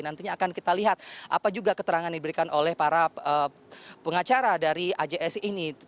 nantinya akan kita lihat apa juga keterangan yang diberikan oleh para pengacara dari ajs ini